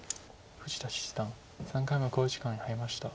富士田七段３回目の考慮時間に入りました。